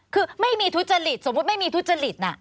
คือไม่มีทุจริตสมมุติไม่มีทุจริต